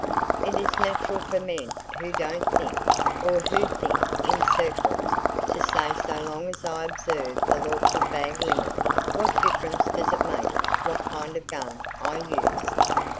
It is natural for men who don't think, or who think in circles, to say "so long as I observe the lawful bag limit, what difference does it make what kind of a gun I use?"